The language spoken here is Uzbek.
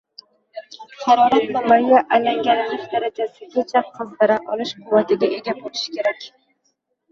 harorat manbai alangalanish darajasigacha qizdira olish quvvatiga ega bo’lishi kerak.